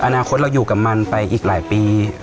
อนาคตเราอยู่กับมันไปอีกหลายปี